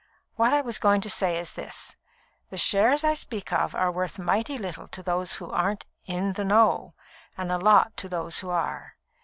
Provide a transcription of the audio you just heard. What I was going to say is this. The shares I speak of are worth mighty little to those who aren't 'in the know,' and a lot to those who are.